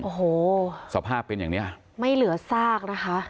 โอ้โหสภาพเป็นอย่างเนี้ยไม่เหลือซากนะคะ